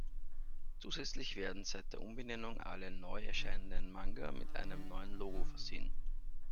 Zusätzlich werden seit der Umbenennung alle neu erscheinenden Manga mit einem neuen Logo versehen.